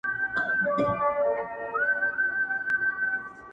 حق لرمه والوزم اسمان ته الوته لرم.